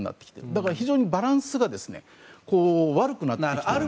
だから非常にバランスが悪くなってきている。